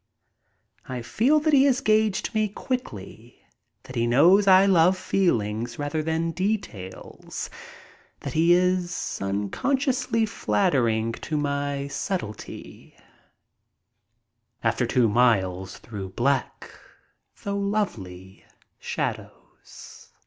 I feel that he has gauged me quickly — that he knows I love feelings rather than details, that he is unconsciously flatter ing to my subtlety, after two miles through black, though lovely, shadows.